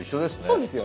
そうですよね。